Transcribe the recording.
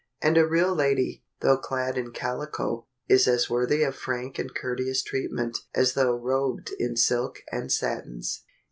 And a real lady, though clad in calico, is as worthy of frank and courteous treatment as though robed in silk and satins.